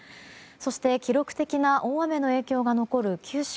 そして記録的な大雨の影響が残る九州。